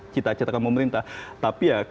cita citakan pemerintah tapi ya